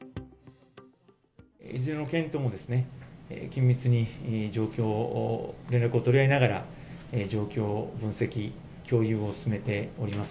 いずれの県ともですね、緊密に状況を、連絡を取り合いながら、状況を分析、共有を進めております。